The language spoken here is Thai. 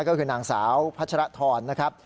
ก็คือนางสาวพัชรทรนะครับ